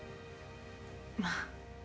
まあ。